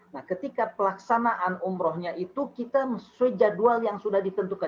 nah ketika pelaksanaan umrohnya itu kita sesuai jadwal yang sudah ditentukan